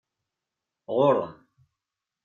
Ɣuṛ-m.